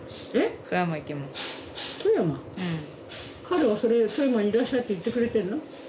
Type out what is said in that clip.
彼はそれで富山にいらっしゃいって言ってくれてんの？